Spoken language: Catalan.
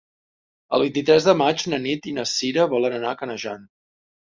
El vint-i-tres de maig na Nit i na Cira volen anar a Canejan.